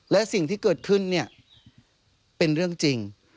และสิ่งที่เกิดขึ้นเนี่ยเป็นเรื่องจริง